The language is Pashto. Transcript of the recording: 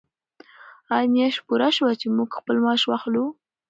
آیا میاشت پوره شوه چې موږ خپل معاش واخلو؟